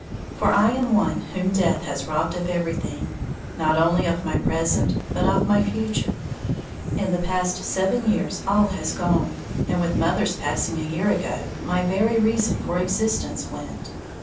For I am one whom death has robbed of everything, not only of my present but of my future. In the past seven years all has gone; and with Mother's passing a year ago, my very reason for existence went.